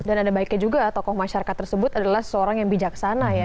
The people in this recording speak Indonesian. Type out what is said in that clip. dan ada baiknya juga tokoh masyarakat tersebut adalah seorang yang bijaksana ya